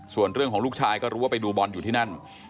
ส่วนเรื่องของลูกชายก็รู้ว่าไปดูบอลอยู่ที่นั่น